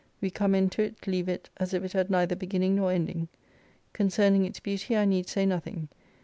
We come into it, leave it, as if it had neither beginning nor ending. Concerning its beauty I need say nothing.